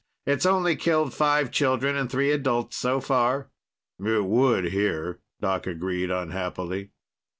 It's only killed five children and three adults so far!" "It would, here," Doc agreed unhappily.